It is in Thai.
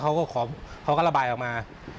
เขาก็ระบายออกมา